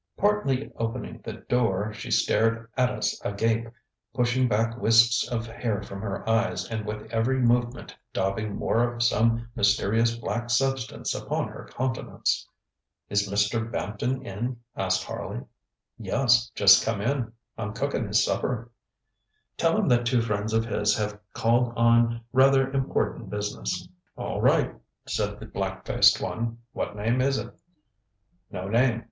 Partly opening the door, she stared at us agape, pushing back wisps of hair from her eyes and with every movement daubing more of some mysterious black substance upon her countenance. ŌĆ£Is Mr. Bampton in? ŌĆØ asked Harley. ŌĆ£Yus, just come in. I'm cookin' his supper. ŌĆØ ŌĆ£Tell him that two friends of his have called on rather important business. ŌĆØ ŌĆ£All right, ŌĆØ said the black faced one. ŌĆ£What name is it? ŌĆØ ŌĆ£No name.